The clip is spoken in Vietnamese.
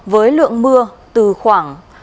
với lượng mưa từ khoảng